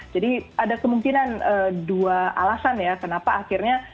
jadi ada kemungkinan dua alasan ya kenapa akhirnya